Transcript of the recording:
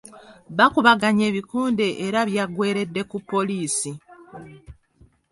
Bakubaganye ebikonde era byaggweredde ku poliisi.